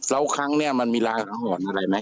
แล้วครั้งนี้มันมีลายละห่อนอะไรไหม